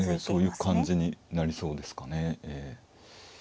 そういう感じになりそうですかね。